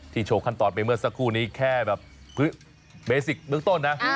โชว์ขั้นตอนไปเมื่อสักครู่นี้แค่แบบเบสิกเมืองต้นนะ